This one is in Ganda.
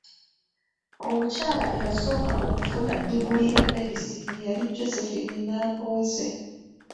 Omukyaala eyasooka okufuna diguli ya medicine yali Josephine Nambooze.